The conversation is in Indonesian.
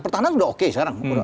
pertahanan udah oke sekarang